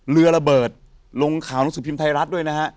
ระเบิดลงข่าวหนังสือพิมพ์ไทยรัฐด้วยนะฮะ